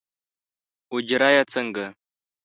اوجره یې څنګه؟